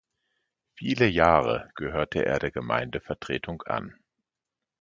Viele Jahre gehörte er der Gemeindevertretung an.